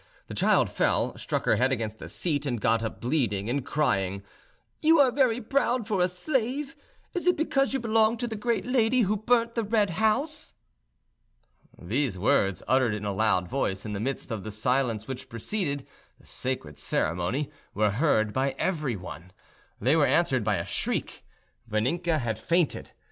The child fell, struck her head against a seat, and got up bleeding and crying, "You are very proud for a slave. Is it because you belong to the great lady who burnt the Red House?" These words, uttered in a loud voice, in the midst of the silence which preceded, the sacred ceremony, were heard by everyone. They were answered by a shriek. Vaninka had fainted.